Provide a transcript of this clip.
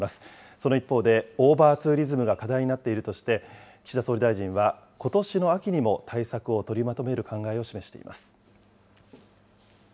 その一方で、オーバーツーリズムが課題になっているとして、岸田総理大臣は、ことしの秋にも対策を取りまとめる考えを示しています。